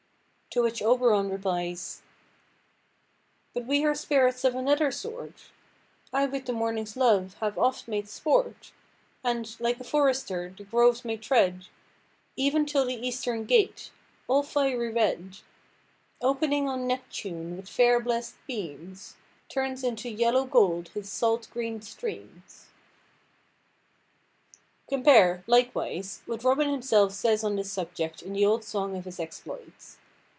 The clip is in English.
To which Oberon replies— "But we are spirits of another sort: I with the morning's love have oft made sport; And, like a forester, the groves may tread, Even till the eastern gate, all fiery–red, Opening on Neptune with fair blessed beams, Turns into yellow gold his salt–green streams." Compare, likewise, what Robin himself says on this subject in the old song of his exploits.